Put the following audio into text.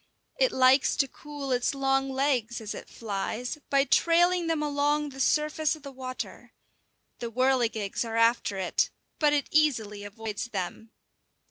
It likes to cool its long legs, as it flies, by trailing them along the surface of the water. The whirligigs are after it, but it easily avoids them.